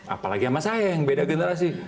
apalagi sama saya yang beda generasi